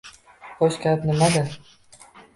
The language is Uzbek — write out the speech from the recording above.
— Xo‘sh, gap nimada?